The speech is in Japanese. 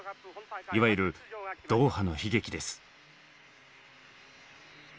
いわゆる「ドーハの悲劇」です。